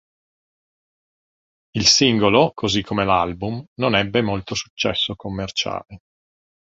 Il singolo, così come l'album, non ebbe molto successo commerciale.